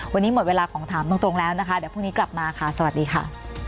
วันนี้หมดเวลาของถามตรงแล้วนะคะเดี๋ยวพรุ่งนี้กลับมาค่ะสวัสดีค่ะ